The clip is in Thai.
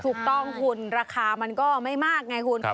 ถูกต้องคุณราคามันก็ไม่มากไงคุณ